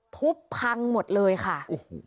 ทุบพังหมดเลยค่ะ